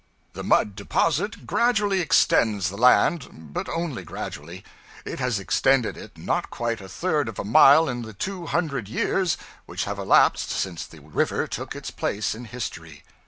The mud deposit gradually extends the land but only gradually; it has extended it not quite a third of a mile in the two hundred years which have elapsed since the river took its place in history.